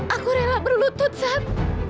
aku rela berlutut sat